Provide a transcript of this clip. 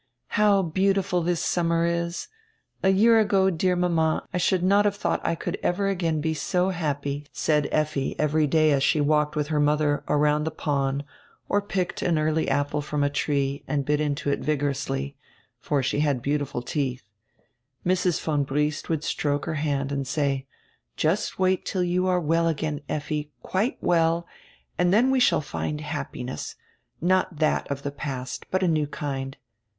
"How beautiful this summer is! A year ago, dear mama, I should not have thought I could ever again be so happy," said Effi every day as she walked widi her mother around die pond or picked an early apple from a tree and bit into it vigorously, for she had beautiful teeth. Mrs. von Briest would stroke her hand and say: "Just wait till you are well again, Effi, quite well, and then we shall find happiness, not diat of die past, but a new kind.